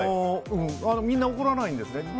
みんな怒らないんですね。